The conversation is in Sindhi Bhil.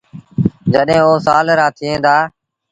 جڏهيݩ او سآل رآ ٿئيڻ دآ۔